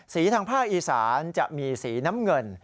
ทางภาคอีสานจะมีสีน้ำเงิน